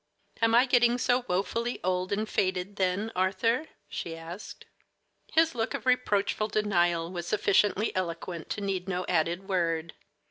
"Am I getting so woefully old and faded, then, Arthur?" she asked. His look of reproachful denial was sufficiently eloquent to need no added word.